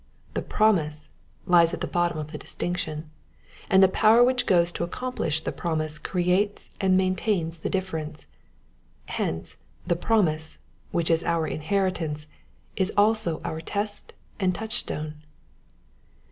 The promise lies at the bot tom of the distinction, and the power which goes to accomplish the promise creates and maintains the difference. Hence the promise^ which is our inheritance, is also our test and touchstone.